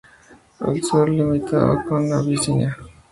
Al sur limitaba con Abisinia.